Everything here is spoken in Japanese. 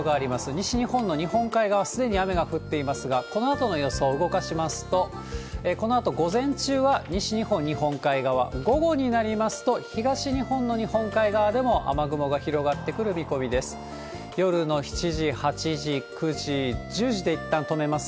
西日本の日本海側、すでに雨が降っていますが、このあとの予想、動かしますと、このあと午前中は、西日本日本海側、午後になりますと、東日本の日本海側でも雨雲が広がってくる見込みです。